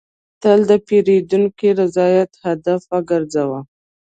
تل د پیرودونکي رضایت هدف وګرځوه.